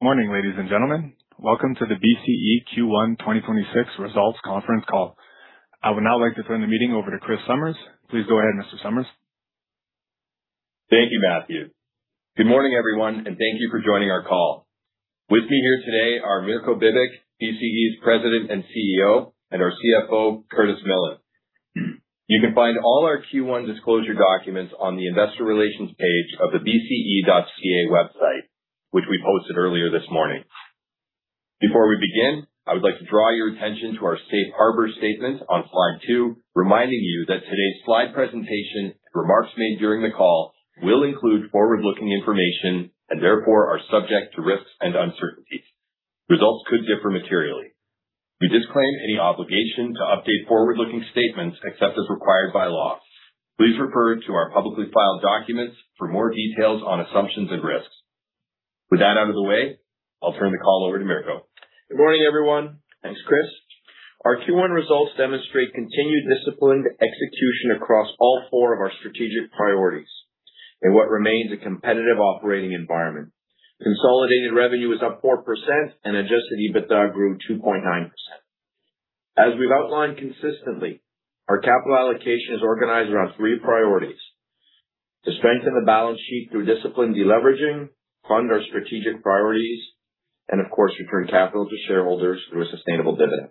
Morning, ladies and gentlemen. Welcome to the BCE Q1 2026 results conference call. I would now like to turn the meeting over to Chris Summers. Please go ahead, Mr. Summers. Thank you, Matthew. Good morning, everyone, thank you for joining our call. With me here today are Mirko Bibic, BCE's President and CEO, and our CFO, Curtis Millen. You can find all our Q1 disclosure documents on the investor relations page of the bce.ca website, which we posted earlier this morning. Before we begin, I would like to draw your attention to our safe harbor statement on slide two, reminding you that today's slide presentation and remarks made during the call will include forward-looking information and therefore are subject to risks and uncertainties. Results could differ materially. We disclaim any obligation to update forward-looking statements except as required by law. Please refer to our publicly filed documents for more details on assumptions and risks. With that out of the way, I'll turn the call over to Mirko. Good morning, everyone. Thanks, Chris. Our Q1 results demonstrate continued disciplined execution across all four of our strategic priorities in what remains a competitive operating environment. Consolidated revenue is up 4% and adjusted EBITDA grew 2.9%. As we've outlined consistently, our capital allocation is organized around three priorities: to strengthen the balance sheet through disciplined deleveraging, fund our strategic priorities, and of course, return capital to shareholders through a sustainable dividend.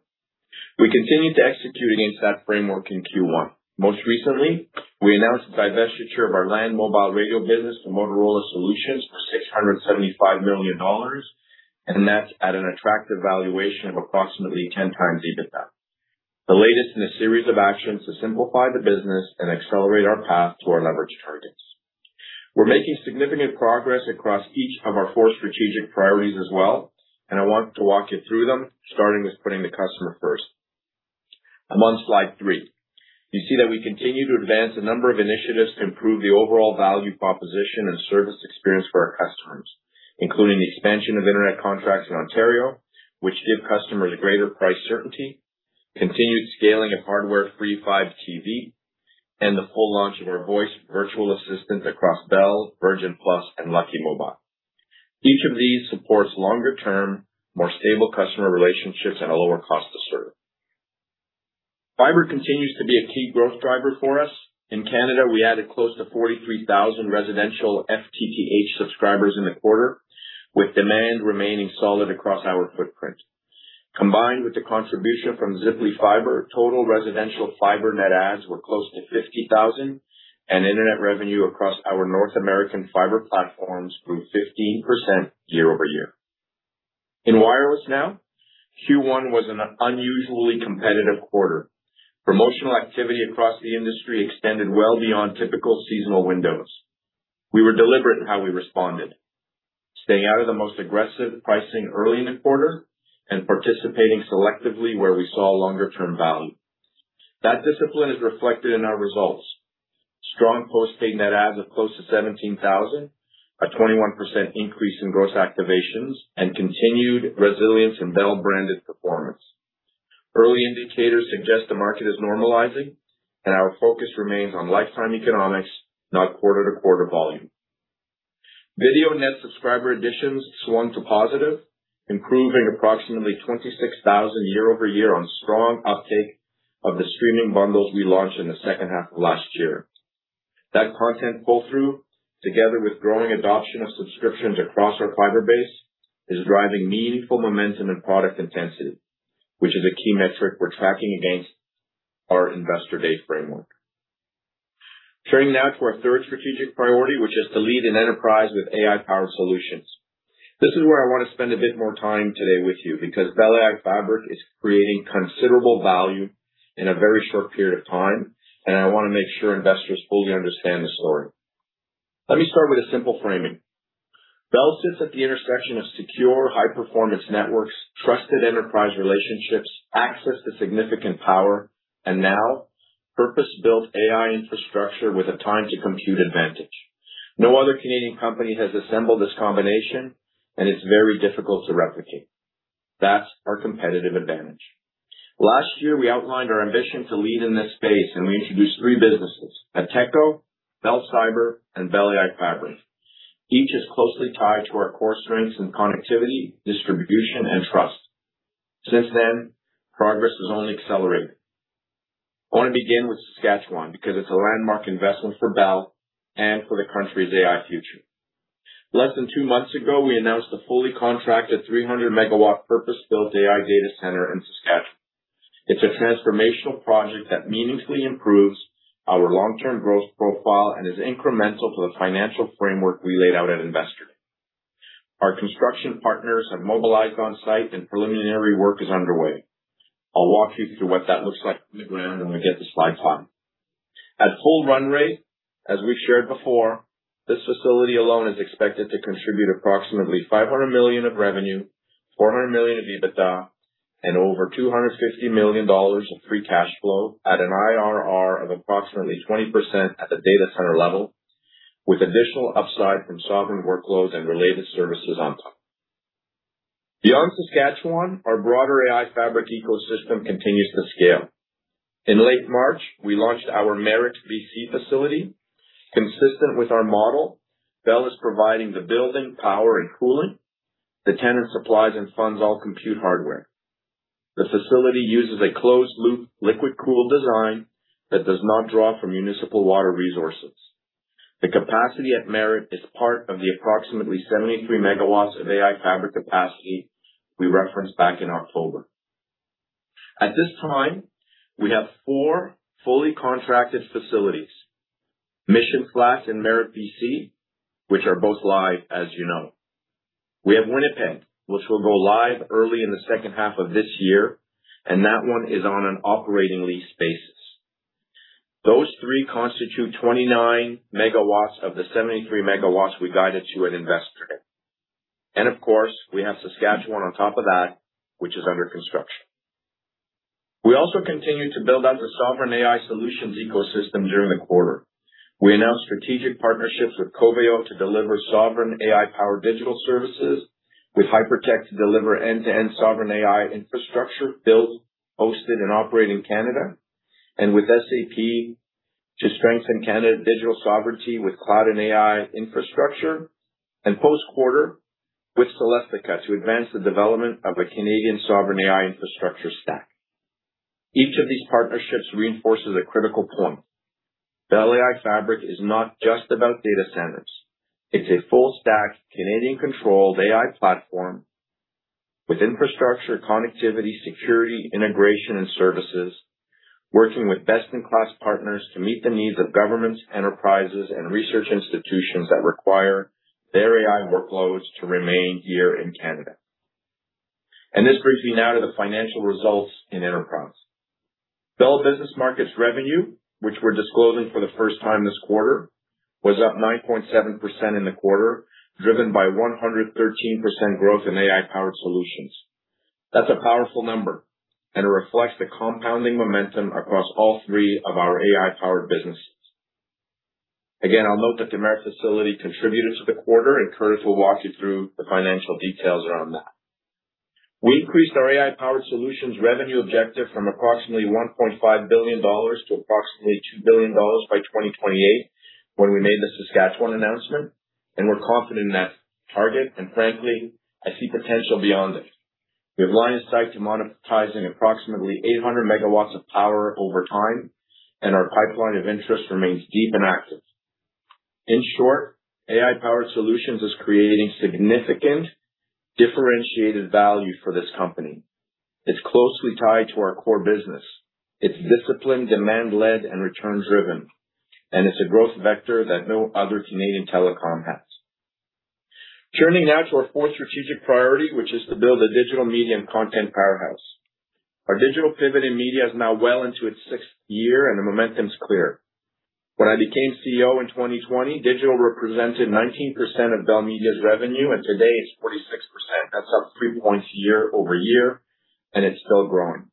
We continued to execute against that framework in Q1. Most recently, we announced the divestiture of our Land Mobile Radio business to Motorola Solutions for 675 million dollars, and that's at an attractive valuation of approximately 10x EBITDA. The latest in a series of actions to simplify the business and accelerate our path to our leverage targets. We're making significant progress across each of our four strategic priorities as well. I want to walk you through them, starting with putting the customer first. I'm on slide 3. You see that we continue to advance a number of initiatives to improve the overall value proposition and service experience for our customers, including the expansion of internet contracts in Ontario, which give customers greater price certainty, continued scaling of hardware-free Fibe TV, and the full launch of our voice virtual assistant across Bell, Virgin Plus, and Lucky Mobile. Each of these supports longer-term, more stable customer relationships at a lower cost to serve. Fiber continues to be a key growth driver for us. In Canada, we added close to 43,000 residential FTTH subscribers in the quarter, with demand remaining solid across our footprint. Combined with the contribution from Ziply Fiber, total residential fiber net adds were close to 50,000, and internet revenue across our North American fiber platforms grew 15% year-over-year. In wireless now, Q1 was an unusually competitive quarter. Promotional activity across the industry extended well beyond typical seasonal windows. We were deliberate in how we responded, staying out of the most aggressive pricing early in the quarter and participating selectively where we saw longer-term value. That discipline is reflected in our results. Strong post-paid net adds of close to 17,000, a 21% increase in gross activations, and continued resilience in Bell-branded performance. Early indicators suggest the market is normalizing. Our focus remains on lifetime economics, not quarter-to-quarter volume. Video net subscriber additions swung to positive, improving approximately 26,000 year-over-year on strong uptake of the streaming bundles we launched in the second half of last year. That content pull-through, together with growing adoption of subscriptions across our fiber base, is driving meaningful momentum and product intensity, which is a key metric we're tracking against our Investor Day framework. Turning now to our third strategic priority, which is to lead an enterprise with AI-powered solutions. This is where I want to spend a bit more time today with you because Bell AI Fabric is creating considerable value in a very short period of time, and I want to make sure investors fully understand the story. Let me start with a simple framing. Bell sits at the intersection of secure, high-performance networks, trusted enterprise relationships, access to significant power, and now purpose-built AI infrastructure with a time to compute advantage. No other Canadian company has assembled this combination. It's very difficult to replicate. That's our competitive advantage. Last year, we outlined our ambition to lead in this space, and we introduced three businesses, Ateco, Bell Cyber, and Bell AI Fabric. Each is closely tied to our core strengths in connectivity, distribution, and trust. Since then, progress has only accelerated. I want to begin with Saskatchewan because it's a landmark investment for Bell and for the country's AI future. Less than two months ago, we announced a fully contracted 300 MW purpose-built AI data center in Saskatchewan. It's a transformational project that meaningfully improves our long-term growth profile and is incremental to the financial framework we laid out at Investor. Our construction partners have mobilized on-site and preliminary work is underway. I'll walk you through what that looks like on the ground when we get the slide pod. At full run rate, as we shared before, this facility alone is expected to contribute approximately 500 million of revenue, 400 million of EBITDA, and over 250 million dollars of free cash flow at an IRR of approximately 20% at the data center level, with additional upside from sovereign workloads and related services on top. Beyond Saskatchewan, our broader AI fabric ecosystem continues to scale. In late March, we launched our Merritt, B.C. facility. Consistent with our model, Bell is providing the building, power and cooling. The tenant supplies and funds all compute hardware. The facility uses a closed loop liquid cool design that does not draw from municipal water resources. The capacity at Merritt is part of the approximately 73 MW of AI Fabric capacity we referenced back in October. At this time, we have four fully contracted facilities, Mission Flats and Merritt, BC, which are both live, you know. We have Winnipeg, which will go live early in the second half of this year, and that one is on an operating lease basis. Those three constitute 29 MW of the 73 MW we guided to at Investor Day. Of course, we have Saskatchewan on top of that, which is under construction. We also continue to build out the sovereign AI solutions ecosystem during the quarter. We announced strategic partnerships with Coveo to deliver sovereign AI powered digital services, with Hypertec to deliver end-to-end sovereign AI infrastructure built, hosted and operate in Canada, and with SAP to strengthen Canada digital sovereignty with cloud and AI infrastructure, and post-quarter with Celestica to advance the development of a Canadian sovereign AI infrastructure stack. Each of these partnerships reinforces a critical point. Bell AI Fabric is not just about data centers. It's a full stack, Canadian controlled AI platform with infrastructure, connectivity, security, integration and services, working with best-in-class partners to meet the needs of governments, enterprises and research institutions that require their AI workloads to remain here in Canada. This brings me now to the financial results in enterprise. Bell Business Markets revenue, which we're disclosing for the first time this quarter, was up 9.7% in the quarter, driven by 113% growth in AI-powered solutions. That's a powerful number, and it reflects the compounding momentum across all three of our AI-powered businesses. I'll note that the Merritt facility contributed to the quarter, and Curtis will walk you through the financial details around that. We increased our AI-powered solutions revenue objective from approximately 1.5 billion dollars to approximately 2 billion dollars by 2028 when we made the Saskatchewan announcement, we're confident in that target. Frankly, I see potential beyond it. We have line of sight to monetizing approximately 800 MW of power over time, our pipeline of interest remains deep and active. In short, AI powered solutions is creating significant differentiated value for this company. It's closely tied to our core business. It's disciplined, demand led and return driven, and it's a growth vector that no other Canadian telecom has. Turning now to our fourth strategic priority, which is to build a digital media and content powerhouse. Our digital pivot in media is now well into its sixth year and the momentum is clear. When I became CEO in 2020, digital represented 19% of Bell Media's revenue, and today it's 46%. That's up three points year-over-year, and it's still growing.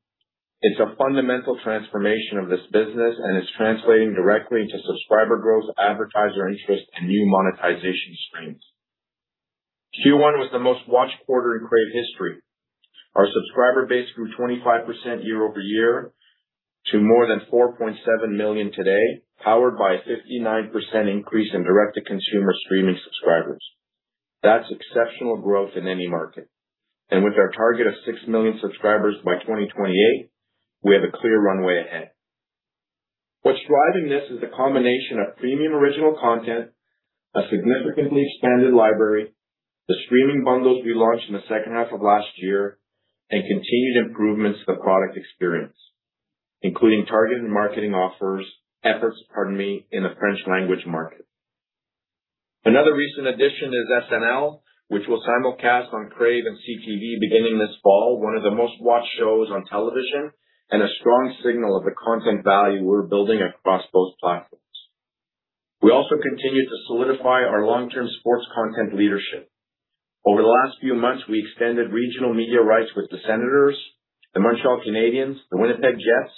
It's a fundamental transformation of this business and it's translating directly into subscriber growth, advertiser interest and new monetization streams. Q1 was the most watched quarter in Crave history. Our subscriber base grew 25% year-over-year to more than 4.7 million today, powered by a 59% increase in direct to consumer streaming subscribers. That's exceptional growth in any market. With our target of 6 million subscribers by 2028, we have a clear runway ahead. What's driving this is a combination of premium original content, a significantly expanded library, the streaming bundles we launched in the second half of last year, and continued improvements to the product experience, including targeted marketing offers, efforts, pardon me, in the French language market. Another recent addition is SNL, which will simulcast on Crave and CTV beginning this fall, one of the most watched shows on television and a strong signal of the content value we're building across those platforms. We also continue to solidify our long-term sports content leadership. Over the last few months, we extended regional media rights with the Senators, the Montreal Canadiens, the Winnipeg Jets,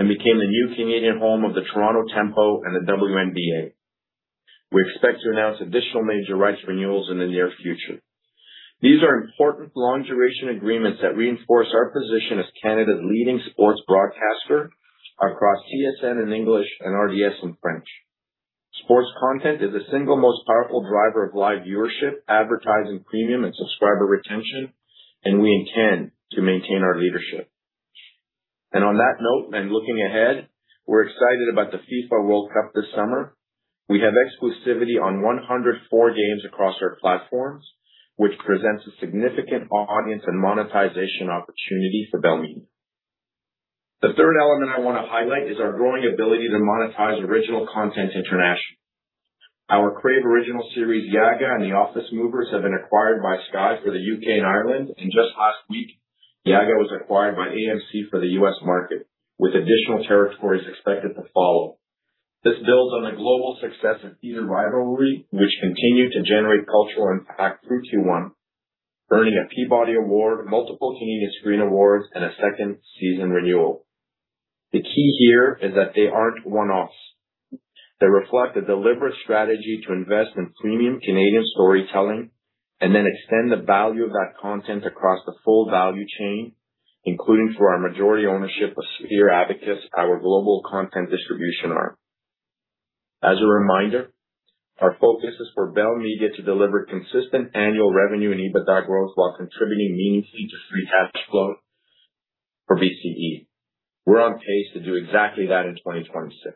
and became the new Canadian home of the Toronto Tempo and the WNBA. We expect to announce additional major rights renewals in the near future. These are important long duration agreements that reinforce our position as Canada's leading sports broadcaster across TSN in English and RDS in French. Sports content is the single most powerful driver of live viewership, advertising premium and subscriber retention, we intend to maintain our leadership. On that note and looking ahead, we're excited about the FIFA World Cup this summer. We have exclusivity on 104 games across our platforms, which presents a significant audience and monetization opportunity for Bell Media. The third element I want to highlight is our growing ability to monetize original content internationally. Our Crave original series, YAGA and The Office Movers, have been acquired by Sky for the U.K. and Ireland. Just last week, YAGA was acquired by AMC for the U.S. market, with additional territories expected to follow. This builds on the global success of Season Rivalry, which continued to generate cultural impact through Q1, earning a Peabody Award, multiple Canadian Screen Awards, and a second season renewal. The key here is that they aren't one-offs. They reflect a deliberate strategy to invest in premium Canadian storytelling and then extend the value of that content across the full value chain, including through our majority ownership of Sphere Abacus, our global content distribution arm. As a reminder, our focus is for Bell Media to deliver consistent annual revenue and EBITDA growth while contributing meaningfully to free cash flow for BCE. We're on pace to do exactly that in 2026.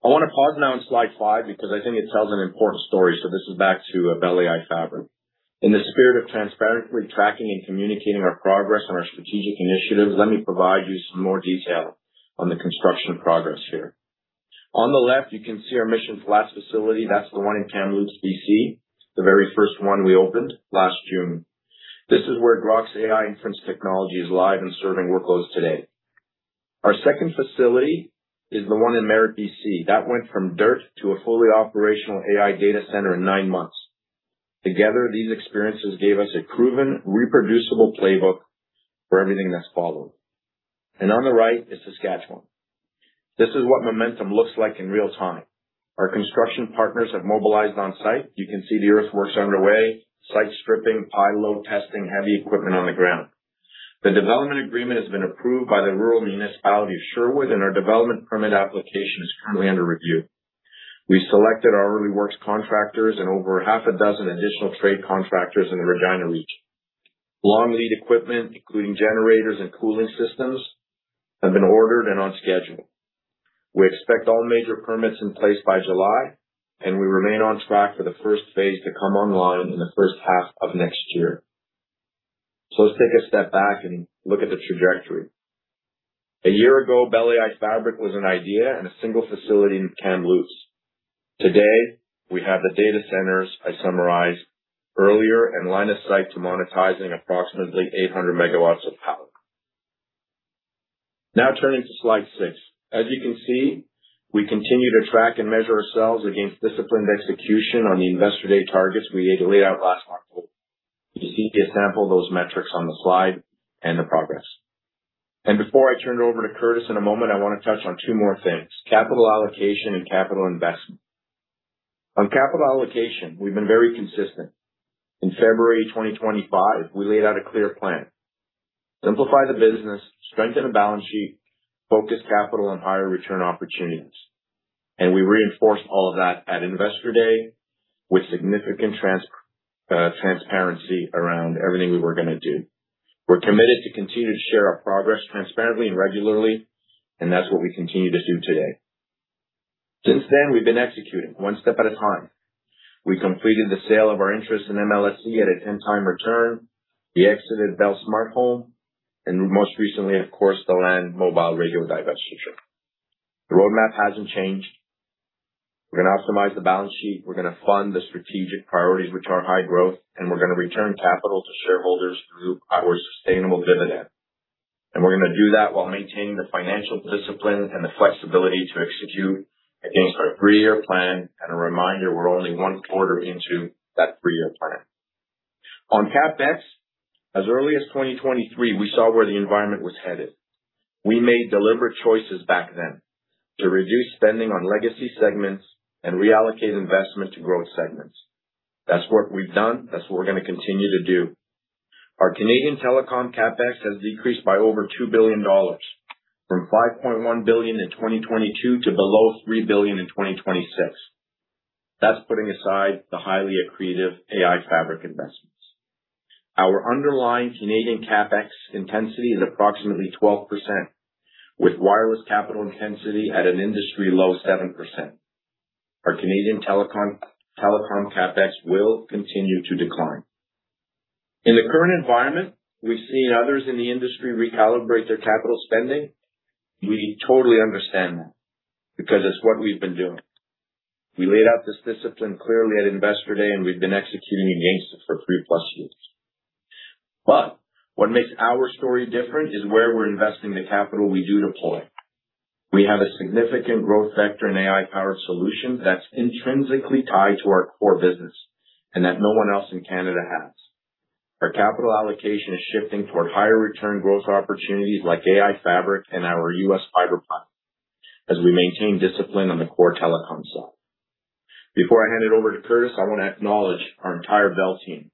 I want to pause now on slide 5 because I think it tells an important story. This is back to Bell AI Fabric. In the spirit of transparently tracking and communicating our progress on our strategic initiatives, let me provide you some more detail on the construction progress here. On the left, you can see our Mission Flats facility. That's the one in Kamloops, B.C., the very first one we opened last June. This is where Groq's AI inference technology is live and serving workloads today. Our second facility is the one in Merritt, B.C. That went from dirt to a fully operational AI data center in 9 months. Together, these experiences gave us a proven reproducible playbook for everything that's followed. On the right is Saskatchewan. This is what momentum looks like in real time. Our construction partners have mobilized on-site. You can see the earthworks underway, site stripping, pile load testing, heavy equipment on the ground. The development agreement has been approved by the Rural Municipality of Sherwood, and our development permit application is currently under review. We selected our early works contractors and over half a dozen additional trade contractors in the Regina region. Long lead equipment, including generators and cooling systems, have been ordered and on schedule. We expect all major permits in place by July, and we remain on track for the first phase to come online in the first half of next year. Let's take a step back and look at the trajectory. A year ago, Bell AI Fabric was an idea and a single facility in Kamloops. Today, we have the data centers I summarized earlier and line of sight to monetizing approximately 800 MW of power. Turning to slide 6. As you can see, we continue to track and measure ourselves against disciplined execution on the Investor Day targets we laid out last October. You can see a sample of those metrics on the slide and the progress. Before I turn it over to Curtis in a moment, I want to touch on two more things: capital allocation and capital investment. On capital allocation, we've been very consistent. In February 2025, we laid out a clear plan. Simplify the business, strengthen the balance sheet, focus capital on higher return opportunities. We reinforced all of that at Investor Day with significant transparency around everything we were gonna do. We're committed to continue to share our progress transparently and regularly, and that's what we continue to do today. Since then, we've been executing one step at a time. We completed the sale of our interest in MLSE at a 10-time return. We exited Bell Smart Home, most recently, of course, the Land Mobile Radio divestiture. The roadmap hasn't changed. We're gonna optimize the balance sheet, we're gonna fund the strategic priorities, which are high growth, we're gonna return capital to shareholders through our sustainable dividend. We're gonna do that while maintaining the financial discipline and the flexibility to execute against our three-year plan. A reminder, we're only one quarter into that three-year plan. On CapEx, as early as 2023, we saw where the environment was headed. We made deliberate choices back then to reduce spending on legacy segments and reallocate investment to growth segments. That's what we've done. That's what we're gonna continue to do. Our Canadian telecom CapEx has decreased by over 2 billion dollars from 5.1 billion in 2022 to below 3 billion in 2026. That's putting aside the highly accretive AI Fabric investments. Our underlying Canadian CapEx intensity is approximately 12%, with wireless capital intensity at an industry low 7%. Our Canadian telecom CapEx will continue to decline. In the current environment, we've seen others in the industry recalibrate their capital spending. We totally understand that because it's what we've been doing. We laid out this discipline clearly at Investor Day, and we've been executing against it for three-plus years. What makes our story different is where we're investing the capital we do deploy. We have a significant growth sector in AI-powered solutions that's intrinsically tied to our core business and that no one else in Canada has. Our capital allocation is shifting toward higher return growth opportunities like Bell AI Fabric and our U.S. fiber plan as we maintain discipline on the core telecom side. Before I hand it over to Curtis, I want to acknowledge our entire Bell team.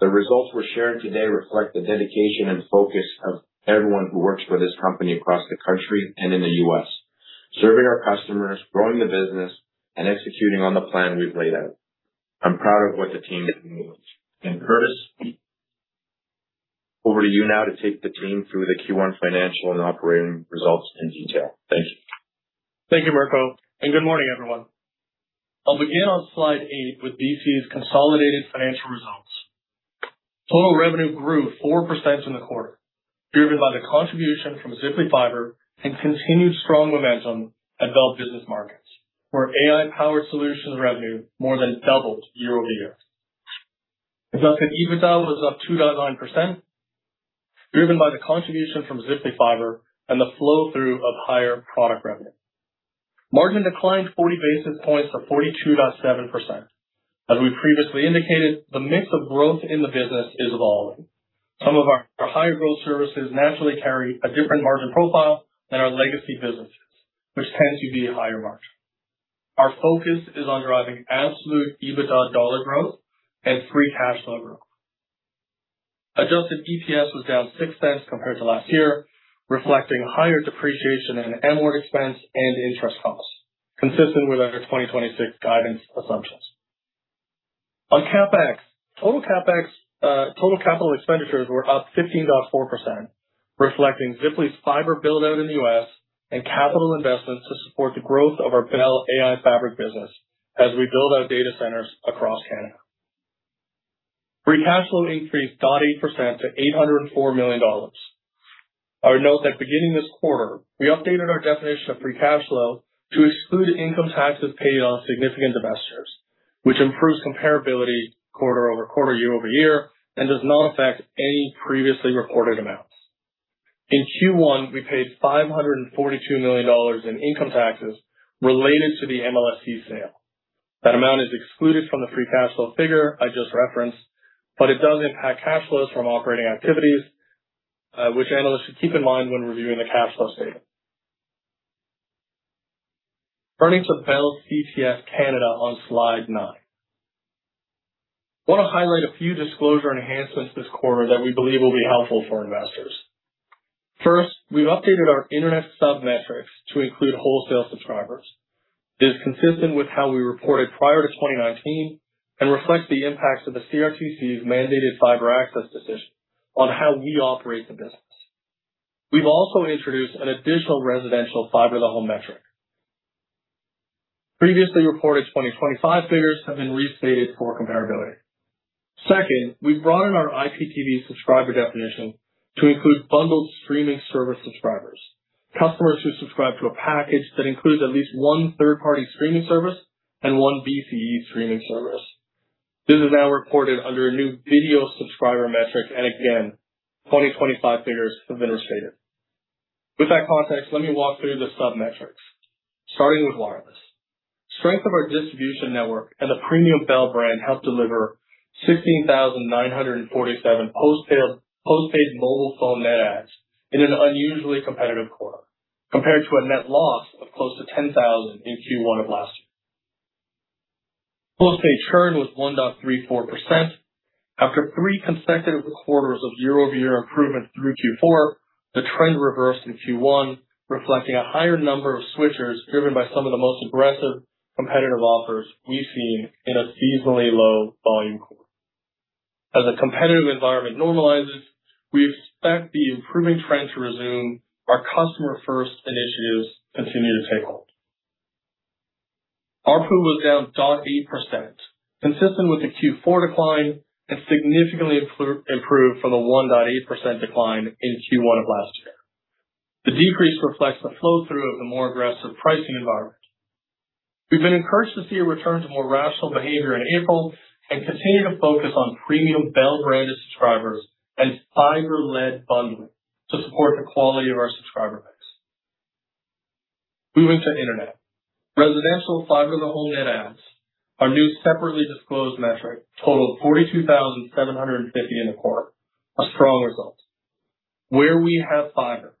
The results we're sharing today reflect the dedication and focus of everyone who works for this company across the country and in the U.S., serving our customers, growing the business, and executing on the plan we've laid out. I'm proud of what the team is doing. Curtis, over to you now to take the team through the Q1 financial and operating results in detail. Thank you. Thank you, Mirko, and good morning, everyone. I'll begin on slide 8 with BCE's consolidated financial results. Total revenue grew 4% from the quarter, driven by the contribution from Ziply Fiber and continued strong momentum at Bell Business Markets, where AI-powered solutions revenue more than doubled year-over-year. Adjusted EBITDA was up 2.9%, driven by the contribution from Ziply Fiber and the flow-through of higher product revenue. Margin declined 40 basis points to 42.7%. As we previously indicated, the mix of growth in the business is evolving. Some of our higher growth services naturally carry a different margin profile than our legacy businesses, which tend to be a higher margin. Our focus is on driving absolute EBITDA dollar growth and free cash flow growth. Adjusted EPS was down 0.06 compared to last year, reflecting higher depreciation and amort expense and interest costs, consistent with our 2026 guidance assumptions. On CapEx, total CapEx, total capital expenditures were up 15.4%, reflecting Ziply Fiber build out in the U.S. and capital investments to support the growth of our Bell AI Fabric business as we build our data centers across Canada. Free cash flow increased 0.8% to 804 million dollars. I would note that beginning this quarter, we updated our definition of free cash flow to exclude income taxes paid on significant investors, which improves comparability quarter-over-quarter, year-over-year, and does not affect any previously reported amounts. In Q1, we paid 542 million dollars in income taxes related to the MLSE sale. That amount is excluded from the free cash flow figure I just referenced. It does impact cash flows from operating activities, which analysts should keep in mind when reviewing the cash flow statement. Turning to Bell CTS Canada on slide 9. Wanna highlight a few disclosure enhancements this quarter that we believe will be helpful for investors. First, we've updated our Internet sub-metrics to include wholesale subscribers. It is consistent with how we reported prior to 2019 and reflects the impacts of the CRTC's mandated fiber access decision on how we operate the business. We've also introduced an additional residential fiber level metric. Previously reported 2025 figures have been restated for comparability. Second, we've broadened our IPTV subscriber definition to include bundled streaming service subscribers, customers who subscribe to a package that includes at least one third-party streaming service and one BCE streaming service. This is now reported under a new video subscriber metric, and again, 2025 figures have been restated. With that context, let me walk through the sub-metrics, starting with wireless. Strength of our distribution network and the premium Bell brand helped deliver 16,947 postpaid mobile phone net adds in an unusually competitive quarter, compared to a net loss of close to 10,000 in Q1 of last year. Postpaid churn was 1.34%. After three consecutive quarters of year-over-year improvement through Q4, the trend reversed in Q1, reflecting a higher number of switchers driven by some of the most aggressive competitive offers we've seen in a seasonally low volume quarter. As the competitive environment normalizes, we expect the improving trend to resume. Our customer first initiatives continue to take hold. ARPU was down 0.8%, consistent with the Q4 decline and significantly improved from the 1.8% decline in Q1 of last year. The decrease reflects the flow-through of the more aggressive pricing environment. We've been encouraged to see a return to more rational behavior in April and continue to focus on premium Bell branded subscribers and fiber-led bundling to support the quality of our subscriber mix. Moving to Internet. Residential Fiber-to-the-Home net adds, our new separately disclosed metric totaled 42,750 in the quarter. A strong result. Where we have fiber,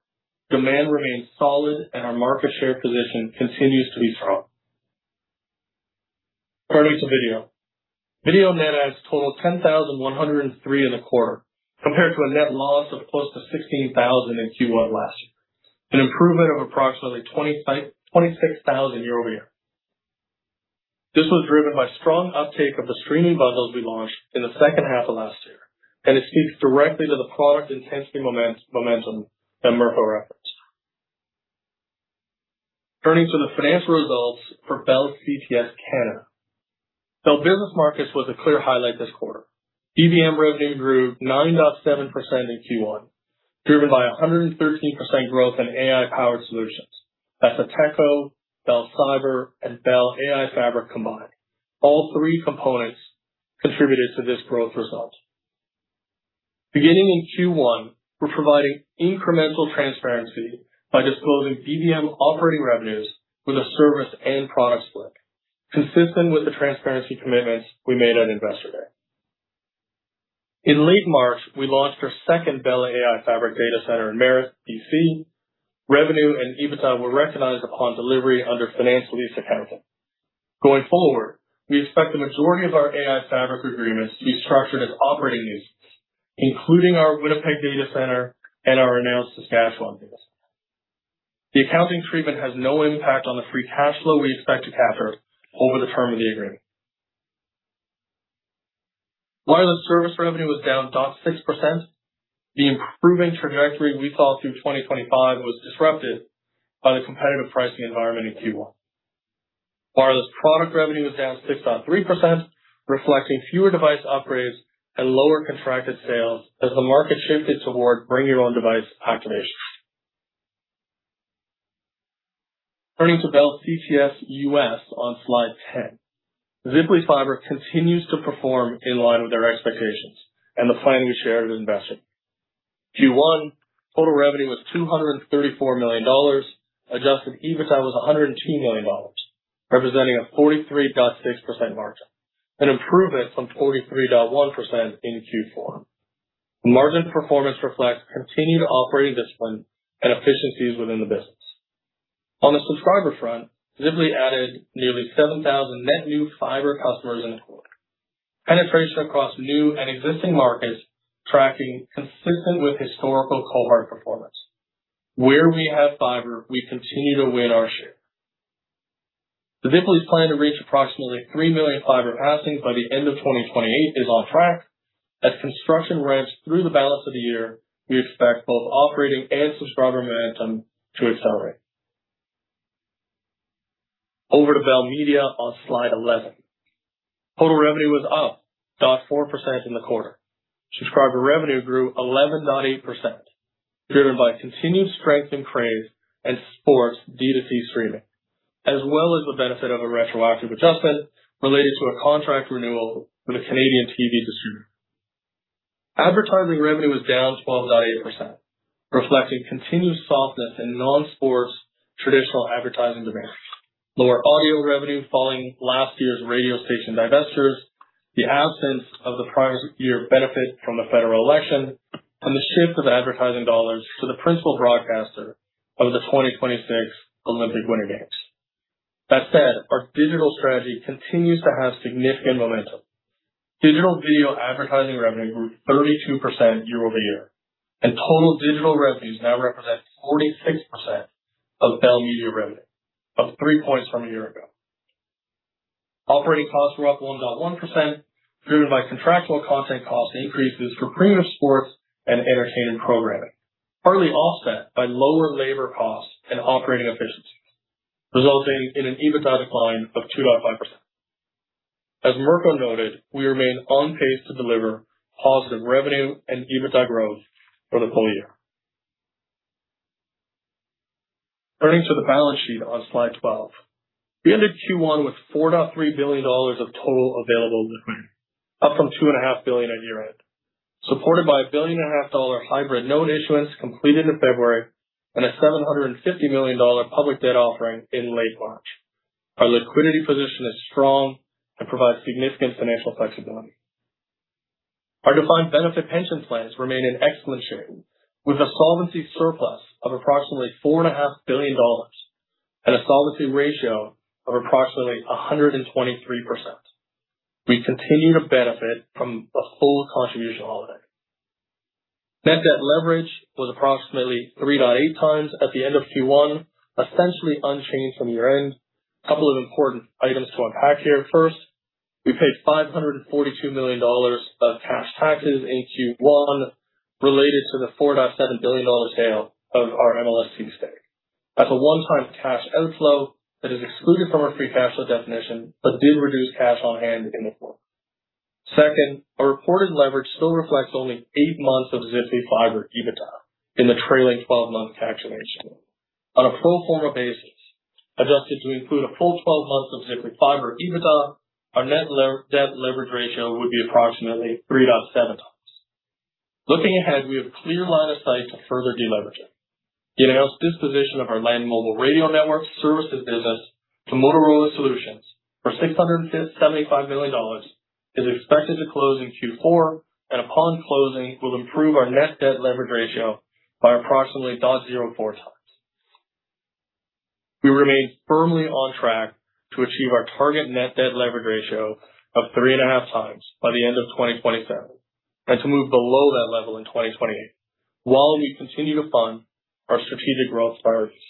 demand remains solid and our market share position continues to be strong. Turning to video. Video net adds totaled 10,103 in the quarter, compared to a net loss of close to 16,000 in Q1 last year, an improvement of approximately 25,000-26,000 year-over-year. This was driven by strong uptake of the streaming bundles we launched in the second half of last year. It speaks directly to the product intensity momentum and MRR efforts. Turning to the financial results for Bell CTS Canada. Bell Business Markets was a clear highlight this quarter. BBM revenue grew 9.7% in Q1, driven by 113% growth in AI-powered solutions. That's Ateco, Bell Cyber and Bell AI Fabric combined. All three components contributed to this growth result. Beginning in Q1, we're providing incremental transparency by disclosing BBM operating revenues with a service and product split, consistent with the transparency commitments we made at Investor Day. In late March, we launched our second Bell AI Fabric data center in Merritt, B.C. Revenue and EBITDA were recognized upon delivery under finance lease accounting. Going forward, we expect the majority of our Bell AI Fabric agreements to be structured as operating leases, including our Winnipeg data center and our announced Saskatchewan data center. The accounting treatment has no impact on the free cash flow we expect to capture over the term of the agreement. Wireless service revenue was down 0.6%. The improving trajectory we saw through 2025 was disrupted by the competitive pricing environment in Q1. Wireless product revenue was down 6.3%, reflecting fewer device upgrades and lower contracted sales as the market shifted toward bring your own device activations. Turning to Bell CTS U.S. on slide 10. Ziply Fiber continues to perform in line with our expectations and the plan we shared with investors. Q1 total revenue was $234 million. Adjusted EBITDA was $102 million, representing a 43.6% margin, an improvement from 43.1% in Q4. Margin performance reflects continued operating discipline and efficiencies within the business. On the subscriber front, Ziply added nearly 7,000 net new fiber customers in the quarter. Penetration across new and existing markets tracking consistent with historical cohort performance. Where we have fiber, we continue to win our share. The Ziply's plan to reach approximately 3 million fiber passings by the end of 2028 is on track. As construction ramps through the balance of the year, we expect both operating and subscriber momentum to accelerate. Over to Bell Media on slide 11. Total revenue was up 0.4% in the quarter. Subscriber revenue grew 11.8%, driven by continued strength in Crave and sports D2C streaming, as well as the benefit of a retroactive adjustment related to a contract renewal with a Canadian TV distributor. Advertising revenue was down 12.8%, reflecting continued softness in non-sports traditional advertising demand, lower audio revenue following last year's radio station divestitures, the absence of the prior year benefit from the federal election, and the shift of advertising dollars to the principal broadcaster of the 2026 Olympic Winter Games. That said, our digital strategy continues to have significant momentum. Total digital revenues now represent 46% of Bell Media revenue, up three points from a year ago. Operating costs were up 1.1%, driven by contractual content cost increases for premium sports and entertainment programming, partly offset by lower labor costs and operating efficiencies, resulting in an EBITDA decline of 2.5%. As Mirko noted, we remain on pace to deliver positive revenue and EBITDA growth for the full year. Turning to the balance sheet on slide 12. We ended Q1 with 4.3 billion dollars of total available liquidity, up from 2.5 billion at year-end, supported by a 1.5 billion hybrid note issuance completed in February and a 750 million dollar public debt offering in late March. Our liquidity position is strong and provides significant financial flexibility. Our defined benefit pension plans remain in excellent shape with a solvency surplus of approximately 4.5 billion dollars And a solvency ratio of approximately 123%. We continue to benefit from a full contribution holiday. Net debt leverage was approximately 3.8x at the end of Q1, essentially unchanged from year-end. A couple of important items to unpack here. First, we paid 542 million dollars of cash taxes in Q1 related to the 4.7 billion dollar sale of our MLSE stake. That's a one-time cash outflow that is excluded from our free cash flow definition, but did reduce cash on hand in the quarter. Second, our reported leverage still reflects only 8 months of Ziply Fiber EBITDA in the trailing 12-month calculation. On a pro forma basis, adjusted to include a full 12 months of Ziply Fiber EBITDA, our net debt leverage ratio would be approximately 3.7x. Looking ahead, we have clear line of sight to further deleveraging. The announced disposition of our Land Mobile Radio Network services business to Motorola Solutions for 675 million dollars is expected to close in Q4, and upon closing, will improve our net debt leverage ratio by approximately 0.04x. We remain firmly on track to achieve our target net debt leverage ratio of 3.5x by the end of 2027, and to move below that level in 2028 while we continue to fund our strategic growth priorities.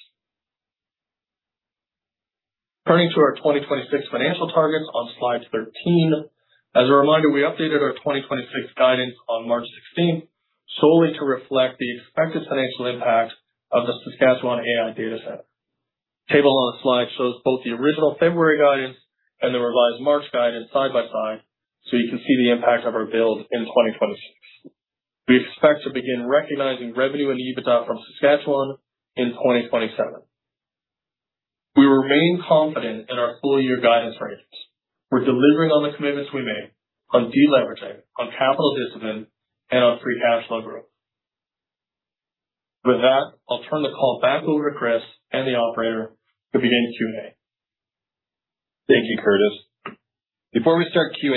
Turning to our 2026 financial targets on slide 13. As a reminder, we updated our 2026 guidance on March 16th solely to reflect the expected financial impact of the Saskatchewan AI Data Center. Table on the slide shows both the original February guidance and the revised March guidance side-by-side so you can see the impact of our build in 2026. We expect to begin recognizing revenue and EBITDA from Saskatchewan in 2027. We remain confident in our full year guidance ranges. We're delivering on the commitments we made on deleveraging, on capital discipline, and on free cash flow growth. With that, I'll turn the call back over to Chris and the operator to begin Q&A. Thank you, Curtis. Before we start Q&A,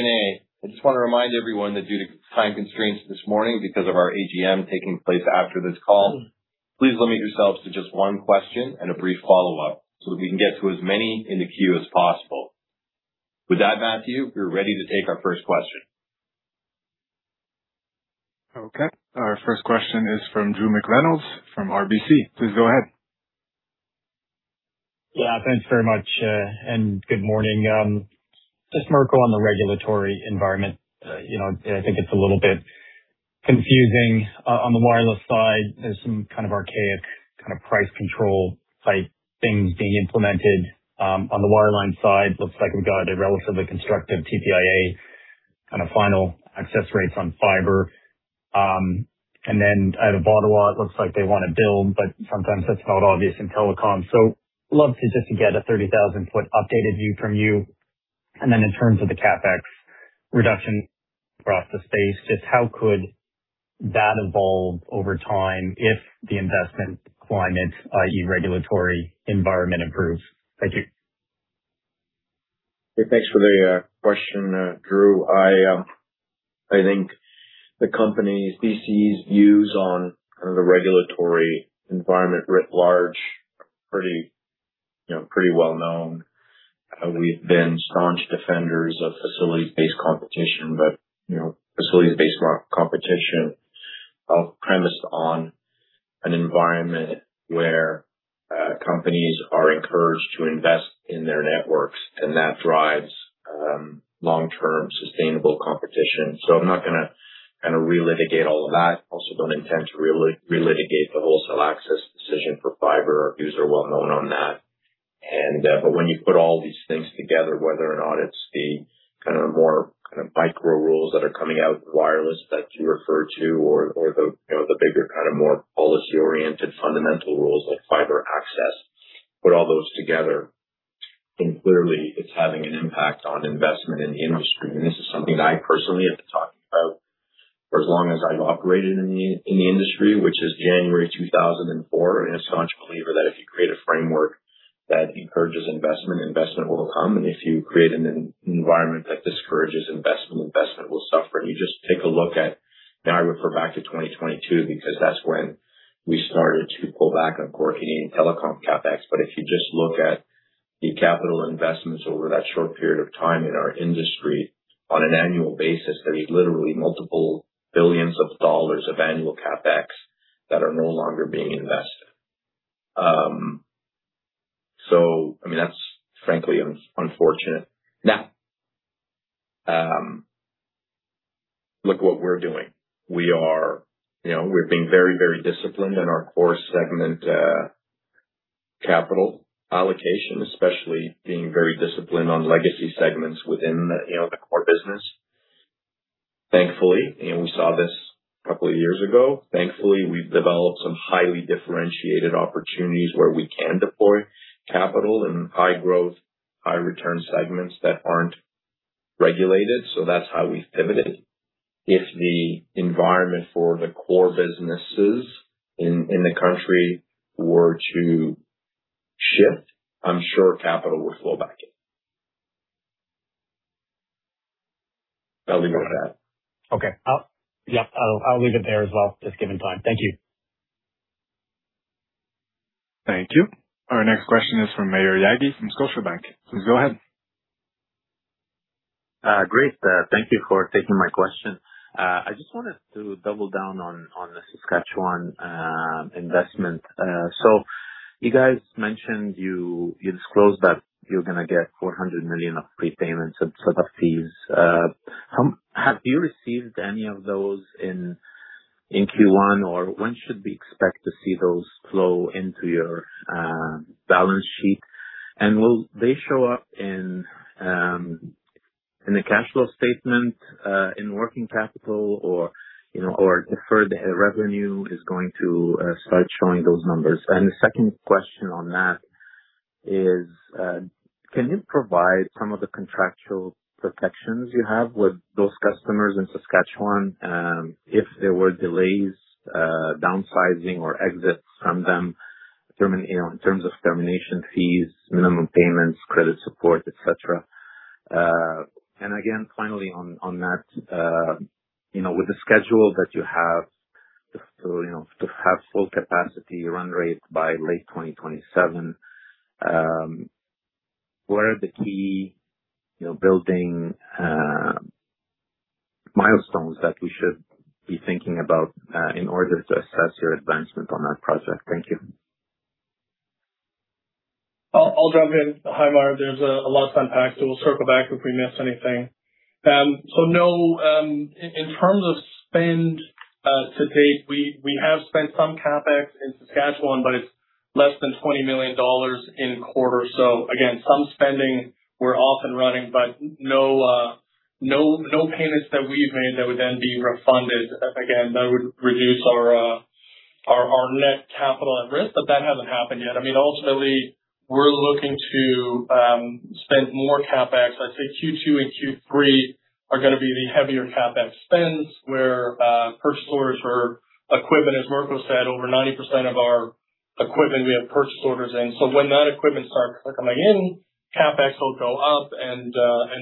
I just want to remind everyone that due to time constraints this morning, because of our AGM taking place after this call, please limit yourselves to just one question and a brief follow-up so that we can get to as many in the queue as possible. With that, Matthew, we're ready to take our first question. Okay. Our first question is from Drew McReynolds from RBC. Please go ahead. Yeah, thanks very much, and good morning. Just Mirko on the regulatory environment. You know, I think it's a little bit confusing on the wireless side. There's some kind of archaic, kind of, price control type things being implemented. On the wireline side, looks like we've got a relatively constructive TPIA and a final access rates on fiber. Out of Ottawa, it looks like they want to build, but sometimes that's not obvious in telecom. Love to just get a 30,000-foot updated view from you. In terms of the CapEx reduction across the space. Just how could that evolve over time if the investment climate, i.e., regulatory environment improves? Thank you. Yeah, thanks for the question, Drew. I think the company BCE's views on kind of the regulatory environment writ large are pretty, you know, pretty well-known. We've been staunch defenders of facilities-based competition, but, you know, facilities-based competition are premised on an environment where companies are encouraged to invest in their networks, and that drives long-term sustainable competition. I'm not gonna kinda re-litigate all of that. Also don't intend to re-litigate the wholesale access decision for fiber. Views are well-known on that. When you put all these things together, whether or not it's the kind of more kind of micro rules that are coming out wireless that you refer to or the, you know, the bigger, kind of more policy-oriented, fundamental rules like fiber access, put all those together, and clearly it's having an impact on investment in the industry. This is something that I personally have been talking about for as long as I've operated in the industry, which is January 2004. A staunch believer that if you create a framework that encourages investment will come. If you create an environment that discourages investment will suffer. You just take a look at Now I would refer back to 2022 because that's when we started to pull back on core Canadian telecom CapEx. If you just look at the capital investments over that short period of time in our industry on an annual basis, I mean, literally multiple billions of dollars of annual CapEx that are no longer being invested. I mean, that's frankly unfortunate. Look what we're doing. You know, we're being very, very disciplined in our core segment, capital allocation, especially being very disciplined on legacy segments within the, you know, the core business. Thankfully, and we saw this a couple of years ago. Thankfully, we've developed some highly differentiated opportunities where we can deploy capital in high growth, high return segments that aren't regulated. That's how we've pivoted. If the environment for the core businesses in the country were to shift, I'm sure capital would flow back in. I'll leave it at that. Okay. I'll leave it there as well, just given time. Thank you. Thank you. Our next question is from Maher Yaghi from Scotiabank. Please go ahead. Great. Thank you for taking my question. I just wanted to double down on the Saskatchewan investment. You guys mentioned you disclosed that you're gonna get 400 million of prepayments and set-up fees. How have you received any of those in Q1, or when should we expect to see those flow into your balance sheet? Will they show up in the cash flow statement, in working capital or, you know, or deferred revenue is going to start showing those numbers? The second question on that is, can you provide some of the contractual protections you have with those customers in Saskatchewan, if there were delays, downsizing or exits from them, you know, in terms of termination fees, minimum payments, credit support, et cetera. Again, finally on that, you know, with the schedule that you have to, you know, to have full capacity run rate by late 2027, what are the key, you know, building milestones that we should be thinking about in order to assess your advancement on that project? Thank you. I'll jump in. Hi, Maher. There's a lot to unpack, so we'll circle back if we miss anything. No, in terms of spend to date, we have spent some CapEx in Saskatchewan, but it's less than 20 million dollars in quarters. Again, some spending we're off and running, but no payments that we've made that would then be refunded. Again, that would reduce our net capital at risk, but that hasn't happened yet. I mean, ultimately, we're looking to spend more CapEx. I'd say Q2 and Q3 are gonna be the heavier CapEx spends, where purchase orders for equipment, as Mirko said, over 90% of our equipment, we have purchase orders in. When that equipment starts coming in, CapEx will go up and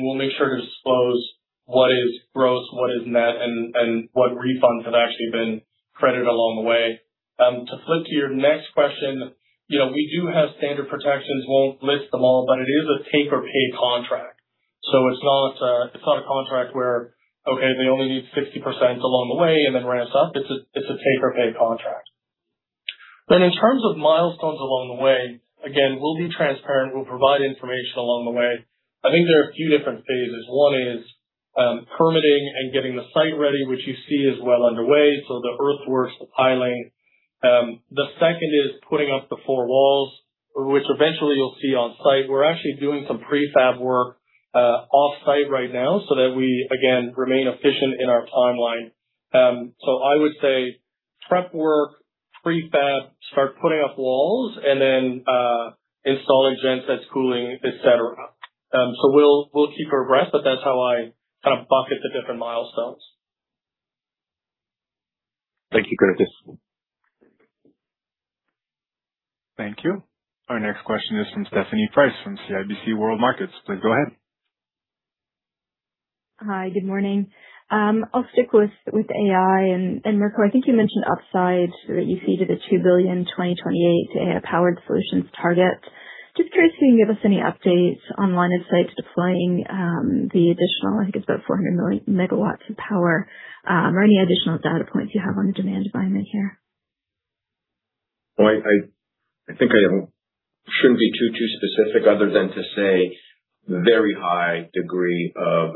we'll make sure to disclose what is gross, what is net, and what refunds have actually been credited along the way. To flip to your next question, you know, we do have standard protections. Won't list them all, but it is a take or pay contract. It's not, it's not a contract where, okay, they only need 60% along the way and then ramps up. It's a, it's a take or pay contract. In terms of milestones along the way, again, we'll be transparent. We'll provide information along the way. I think there are a few different phases. One is, permitting and getting the site ready, which you see is well underway. The earthworks, the piling. The second is putting up the four walls, which eventually you'll see on site. We're actually doing some prefab work offsite right now so that we again remain efficient in our timeline. I would say prep work, prefab, start putting up walls and then. That's cooling, et cetera. We'll keep our rest, but that's how I kind of bucket the different milestones. Thank you, Curtis. Thank you. Our next question is from Stephanie Price from CIBC World Markets. Please go ahead. Hi. Good morning. I'll stick with AI and Mirko, I think you mentioned upside that you see to the 2 billion 2028 AI-powered solutions target. Just curious if you can give us any updates on line of sight to deploying, the additional, I think it's about 400 MW of power, or any additional data points you have on the demand environment here. Well, I think I shouldn't be too specific other than to say very high degree of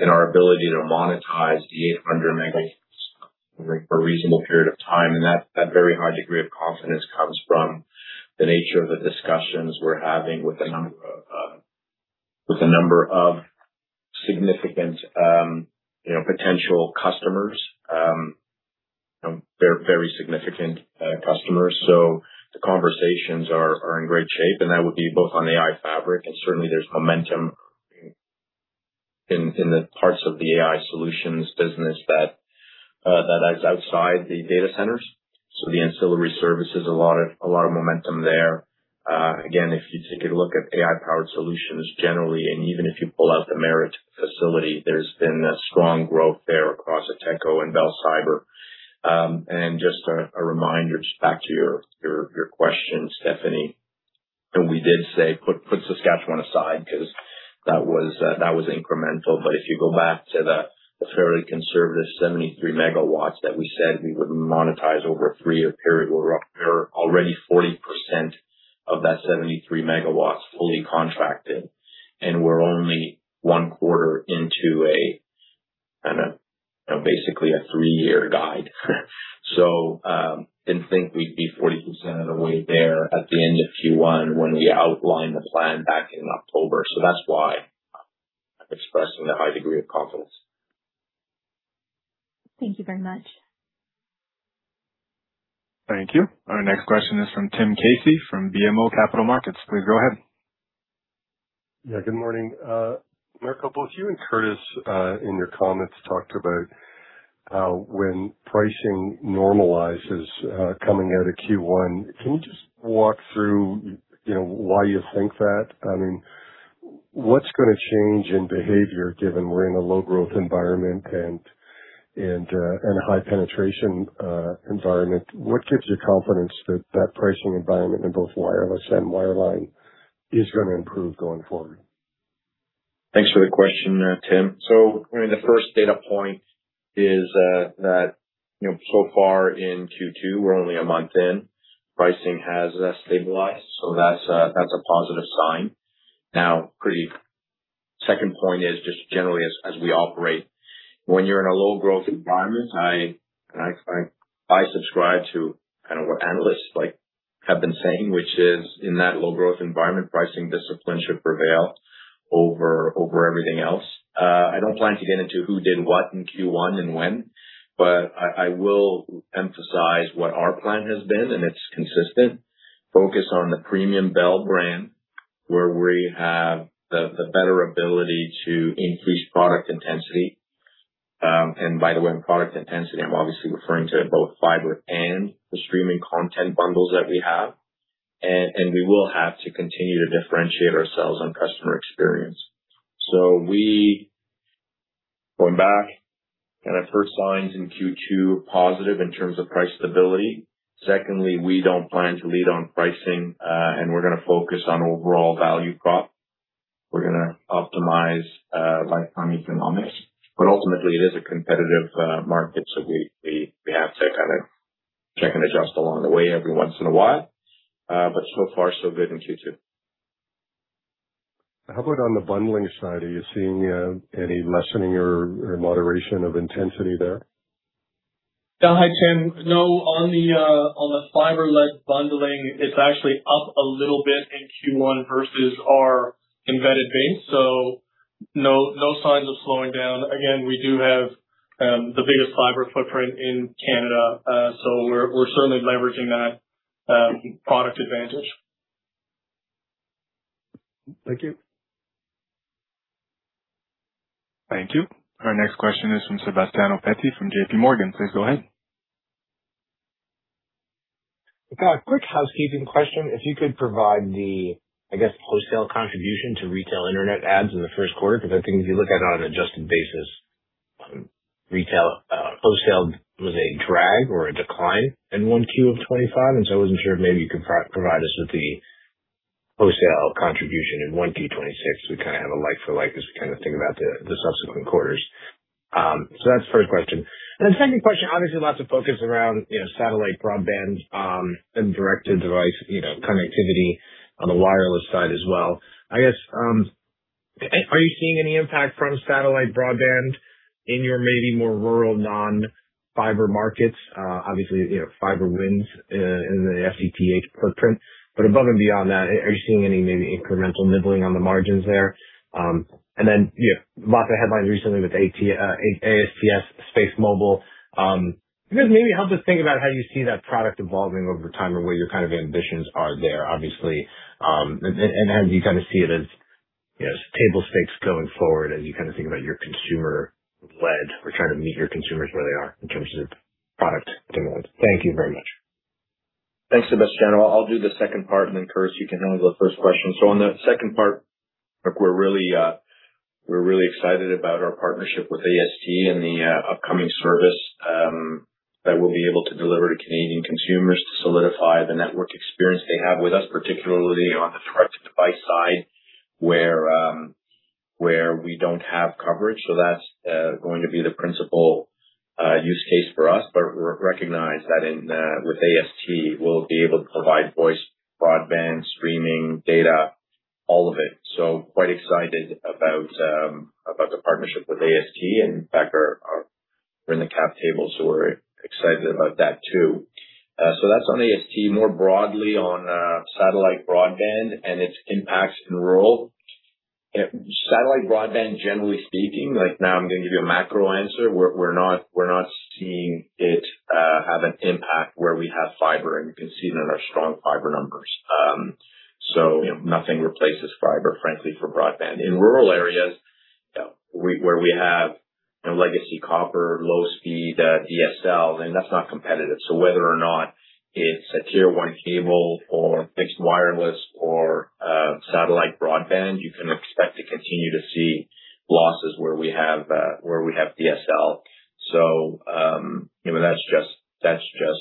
confidence in our ability to monetize the 800 MW for a reasonable period of time. That very high degree of confidence comes from the nature of the discussions we're having with a number of significant, you know, potential customers. You know, very significant customers. The conversations are in great shape, and that would be both on AI Fabric and certainly there's momentum in the parts of the AI solutions business that is outside the data centers. The ancillary services, a lot of momentum there. Again, if you take a look at AI-powered solutions generally, even if you pull out the Merritt facility, there's been a strong growth there across Ateco and Bell Cyber. Just a reminder, just back to your question, Stephanie. We did say put Saskatchewan aside because that was incremental. If you go back to the fairly conservative 73 MW that we said we would monetize over a three-year period, we're already 40% of that 73 MW fully contracted, and we're only one quarter into basically a three-year guide. Didn't think we'd be 40% of the way there at the end of Q1 when we outlined the plan back in October. That's why I'm expressing the high degree of confidence. Thank you very much. Thank you. Our next question is from Tim Casey from BMO Capital Markets. Please go ahead. Good morning. Mirko, both you and Curtis, in your comments talked about when pricing normalizes coming out of Q1. Can you just walk through, you know, why you think that? I mean, what's gonna change in behavior given we're in a low growth environment and a high penetration environment? What gives you confidence that that pricing environment in both wireless and wireline is gonna improve going forward? Thanks for the question, Tim. I mean, the first data point is that you know, so far in Q2, we're only a month in. Pricing has stabilized, that's a positive sign. Second point is just generally as we operate. When you're in a low growth environment, I subscribe to kind of what analysts like have been saying, which is in that low growth environment, pricing discipline should prevail over everything else. I don't plan to get into who did what in Q1 and when, but I will emphasize what our plan has been, and it's consistent. Focus on the premium Bell brand, where we have the better ability to increase product intensity. By the way, in product intensity, I'm obviously referring to both fiber and the streaming content bundles that we have. We will have to continue to differentiate ourselves on customer experience. Going back, kind of, first lines in Q2, positive in terms of price stability. Secondly, we don't plan to lead on pricing, and we're gonna focus on overall value prop. We're gonna optimize lifetime economics, but ultimately it is a competitive market, so we have to kind of check and adjust along the way every once in a while. So far, so good in Q2. How about on the bundling side? Are you seeing any lessening or moderation of intensity there? Yeah. Hi, Tim. No, on the on the fiber-led bundling, it's actually up a little bit in Q1 versus our embedded base. No, no signs of slowing down. Again, we do have the biggest fiber footprint in Canada. We're certainly leveraging that product advantage. Thank you. Thank you. Our next question is from Sebastiano Petti from JPMorgan. Please go ahead. I've got a quick housekeeping question. If you could provide the, I guess, wholesale contribution to retail Internet adds in the first quarter, because I think if you look at it on an adjusted basis, retail wholesale was a drag or a decline in 1Q of20 25. I wasn't sure if maybe you could provide us with the wholesale contribution in 1Q 2026. We kinda have a like for like as we kinda think about the subsequent quarters. That's the 1st question. Then second question, obviously lots of focus around, you know, satellite broadband and directed device, you know, connectivity on the wireless side as well. I guess, are you seeing any impact from satellite broadband in your maybe more rural non-fiber markets? Obviously, you know, fiber wins in the FTTH footprint. Above and beyond that, are you seeing any maybe incremental nibbling on the margins there? you know, lots of headlines recently with AST SpaceMobile, I guess maybe help us think about how you see that product evolving over time or where your kind of ambitions are there, obviously, and how do you kinda see it Table stakes going forward as you kind of think about your consumer lead or trying to meet your consumers where they are in terms of product demand? Thank you very much. Thanks, Sebastiano. I'll do the second part and then, Curtis, you can handle the first question. On the second part, look, we're really, we're really excited about our partnership with AST and the upcoming service that we'll be able to deliver to Canadian consumers to solidify the network experience they have with us, particularly on the fixed device side where we don't have coverage. That's going to be the principal use case for us. Re-recognize that with AST, we'll be able to provide voice, broadband, streaming, data, all of it. Quite excited about the partnership with AST. We're in the cap table, so we're excited about that too. That's on AST. More broadly on satellite broadband and its impacts in rural. Satellite broadband, generally speaking, like, now I'm gonna give you a macro answer. We're not seeing it have an impact where we have fiber, and you can see that in our strong fiber numbers. You know, nothing replaces fiber, frankly, for broadband. In rural areas, you know, where we have, you know, legacy copper, low speed, DSL, that's not competitive. Whether or not it's a tier one cable or fixed wireless or satellite broadband, you can expect to continue to see losses where we have where we have DSL. You know, that's just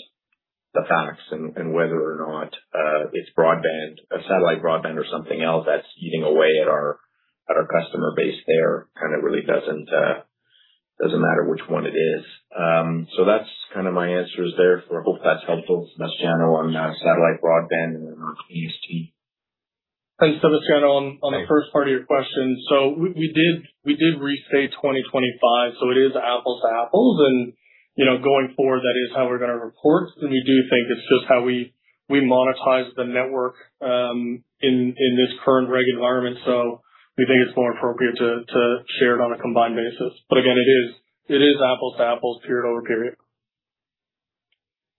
the facts and whether or not it's broadband, a satellite broadband or something else that's eating away at our customer base there, kinda really doesn't matter which one it is. That's kinda my answers there. I hope that's helpful, Sebastiano, on satellite broadband and on AST. Thanks, Sebastiano, on the first part of your question. We did restate 2025, it is apples-to-apples. You know, going forward, that is how we're gonna report. We do think it's just how we monetize the network in this current reg environment. We think it's more appropriate to share it on a combined basis. Again, it is apples to apples, period over period.